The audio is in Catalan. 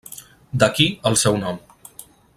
D'aquí, el seu nom.